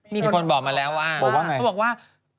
มีคนบอกมาแล้วว่า